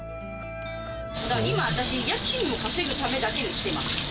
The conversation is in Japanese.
今、私、家賃を稼ぐためだけに来ています。